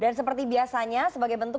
dan seperti biasanya sebagai bentuk